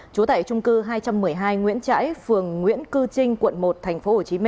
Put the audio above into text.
trú tại trung cư hai trăm một mươi hai nguyễn trãi phường nguyễn cư trinh quận một tp hcm